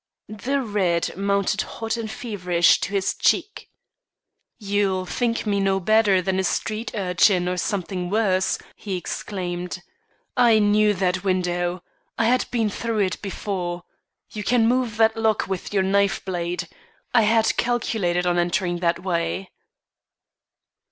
The red mounted hot and feverish to his cheek. "You'll think me no better than a street urchin or something worse," he exclaimed. "I knew that window; I had been through it before. You can move that lock with your knife blade. I had calculated on entering that way."